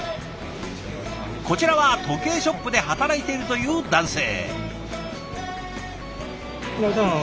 こちらは時計ショップで働いているという男性。